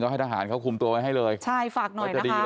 ให้ทหารเขาคุมตัวไว้ให้เลยใช่ฝากหน่อยก็ดี